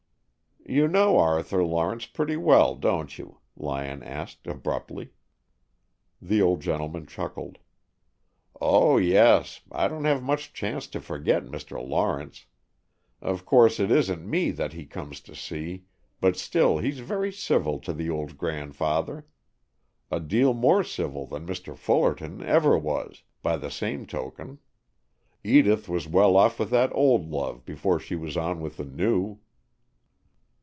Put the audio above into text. "You know Arthur Lawrence pretty well, don't you?" Lyon asked abruptly. The old gentleman chuckled. "Oh yes, I don't have much chance to forget Mr. Lawrence. Of course it isn't me that he comes to see, but still he's very civil to the old grandfather! A deal more civil than Mr. Fullerton ever was, by the same token. Edith was well off with that old love before she was on with the new."